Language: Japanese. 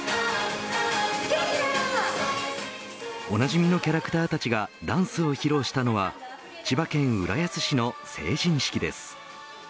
おなじみのキャラクターたちがダンスを披露したのは千葉県浦安市の成人式です。